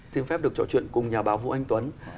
xin phép được trò chuyện cùng nhà báo vũ anh tuấn